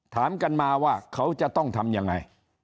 ถามกันมาว่าเขาจะต้องทำยังไง